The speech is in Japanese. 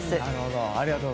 なるほど。